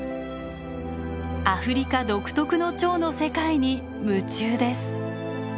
アフリカ独特のチョウの世界に夢中です。